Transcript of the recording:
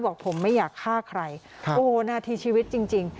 บอกผมไม่อยากฆ่าใครโอ้โหนาทีชีวิตจริง